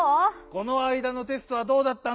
このあいだのテストはどうだったんだ？